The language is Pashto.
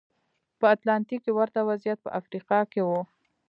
په اتلانتیک کې ورته وضعیت په افریقا کې و.